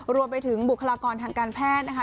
รวมไปถึงบุคลากรทางการแพทย์นะคะ